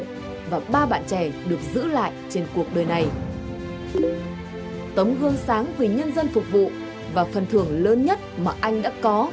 tấm gương sáng vì nhân dân phục vụ và phần thưởng lớn nhất mà anh đã có